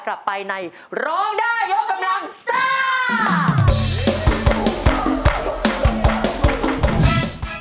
กลับไปในร้องได้ยกกำลังซ่า